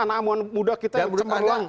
namun mudah kita yang cemerlang